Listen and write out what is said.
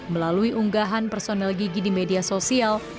melalui unggahan personel gigi di media sosial